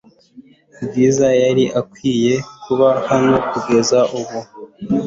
Bwiza yari akwiye kuba hano kugeza ubu .